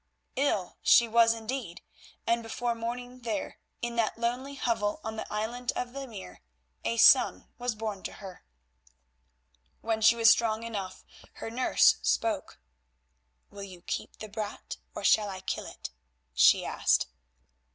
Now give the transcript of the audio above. Ill she was indeed, and before morning there, in that lonely hovel on the island of the mere, a son was born to her. When she was strong enough her nurse spoke: "Will you keep the brat, or shall I kill it?" she asked.